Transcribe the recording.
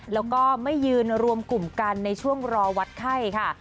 แล้วก็ไม่ยืนรวมกลุ่มกันในช่วงรอวัดไข้ค่ะ